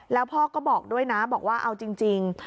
แล้วพ่อก็บอกด้วยนะบอกว่าเอาจริง